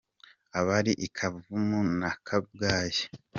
Abari i Kavumu na Kabgayi